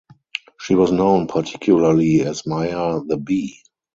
She was known particularly as Maya the Bee.